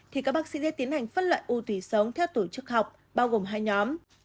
thì các bác sĩ sẽ tiến hành phân loại u tủy sống theo tổ chức học bao gồm hai nhóm